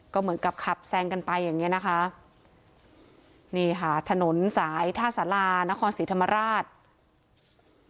ก็เหมือนกับขับแซงกันไปอย่างเงี้นะคะนี่ค่ะถนนสายท่าสารานครศรีธรรมราช